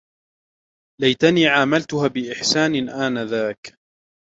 ليتني عاملتها بإحسان آنذاك.